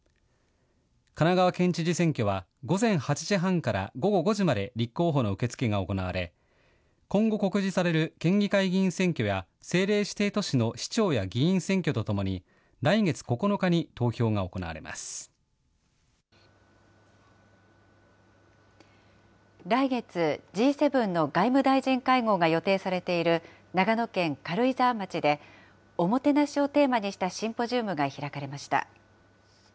神奈川県知事選挙は、午前８時半から午後５時まで立候補の受け付けが行われ、今後告示される県議会議員選挙や、政令指定都市の市長や議員選挙とともに、来月９日に投票が行われ来月、Ｇ７の外務大臣会合が予定されている長野県軽井沢町で、おもてなしをテーマにしたシンポジウムが開かれました。